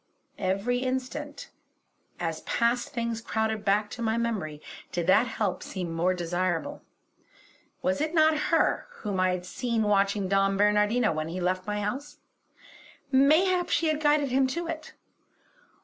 Every instant, as past things crowded back to my memory, did that help seem more desirable. Was it not her whom I had seen watching Don Bernardino when he left my house; mayhap she had guided him to it.